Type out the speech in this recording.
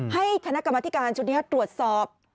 ให้คณะกรรมธิการชุดนี้ตรวจสอบ